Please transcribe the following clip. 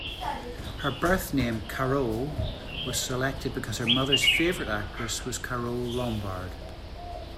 Her birth name, Carole, was selected because her mother's favorite actress was Carole Lombard.